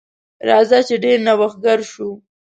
راځه چې ډیر نوښتګر شو.